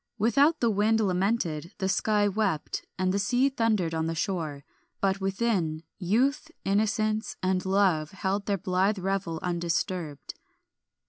Without the wind lamented, the sky wept, and the sea thundered on the shore; but within, youth, innocence, and love held their blithe revel undisturbed.